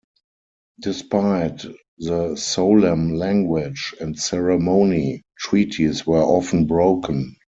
Despite the solemn language and ceremony, treaties were often broken.